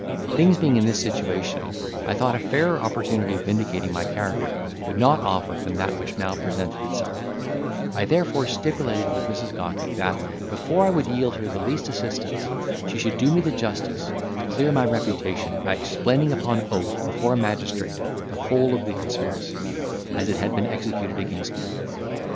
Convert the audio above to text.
Things being in this situation, I thought a fairer opportunity of vindicating my character could not offer than that which now presented itself; I therefore stipulated with Mrs. Gawky, that before I would yield her the least assistance, she should do me the justice to clear my reputation by explaining upon oath before a magistrate the whole of the conspiracy, as it had been executed against me.